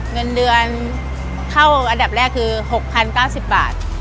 เงินเดือนเข้าอันดับแรกคือ๖๐๙๐บาท